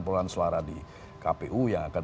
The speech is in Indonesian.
perolahan suara di kpu yang akan